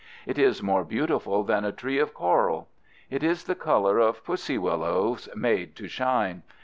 It is more beautiful than a tree of coral. It is the color of pussy willows made to shine.